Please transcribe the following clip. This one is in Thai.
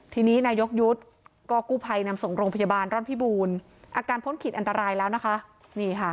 ทีนี้นายกยุทธ์ก็กู้ภัยนำส่งโรงพยาบาลร่อนพิบูรณ์อาการพ้นขีดอันตรายแล้วนะคะนี่ค่ะ